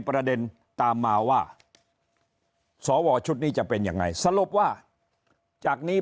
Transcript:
ประเด็นตามมาว่าสวชุดนี้จะเป็นยังไงสรุปว่าจากนี้